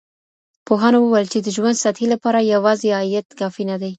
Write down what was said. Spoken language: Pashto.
پوهانو وويل چی د ژوند سطحې لپاره يوازي عايد کافي نه دی.